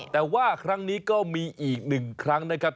แต่ว่าครั้งนี้ก็มีอีกหนึ่งครั้งนะครับ